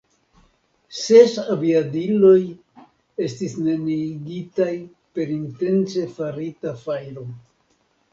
Ses aviadiloj estis neniigitaj per intence farita fajro.